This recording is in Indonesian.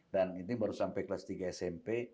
dan ini baru sampai kelas tiga smp